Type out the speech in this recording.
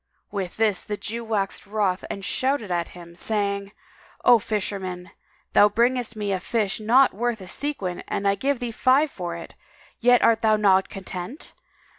With this the Jew waxed wroth and shouted out at him, saying, "O fisherman, thou bringest me a fish not worth a sequin and I give thee five for it; yet art thou not content!